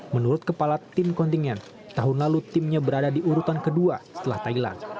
menurut kepala tim kontingen tahun lalu timnya berada di urutan kedua setelah thailand